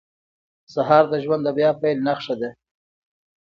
سهار د ژوند د بیا پیل نښه ده.